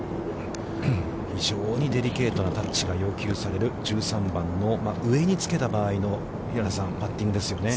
非常にデリケートなタッチが要求される、１３番の、上につけた場合のパッティングですよね。